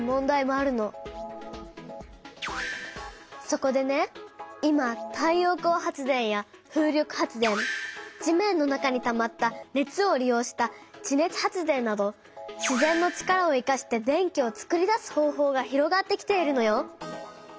そこでね今太陽光発電や風力発電地面の中にたまった熱を利用した地熱発電などしぜんの力を生かして電気をつくり出す方法が広がってきているのよ。